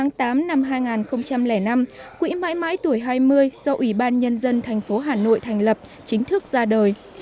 ngày một mươi sáu tháng tám năm hai nghìn năm quỹ mãi mãi tuổi hai mươi do ủy ban nhân dân thành phố hà nội thành lập chính thức ra đời